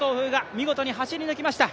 見事に走り抜きました。